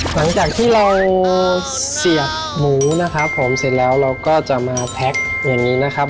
หลังจากที่เราเสียบหมูนะครับผมเสร็จแล้วเราก็จะมาแพ็คอย่างนี้นะครับ